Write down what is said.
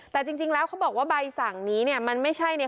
แต่จริงแล้วเขาบอกว่าใบสั่งนี้เนี่ยมันไม่ใช่เนี่ย